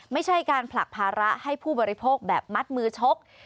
ไม่ใช่การผลักภาระให้ผู้บริโภคแบบมัดมือชก